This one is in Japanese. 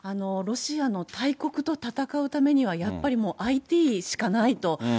ロシアの大国と戦うためには、やっぱりもう、ＩＴしかないと。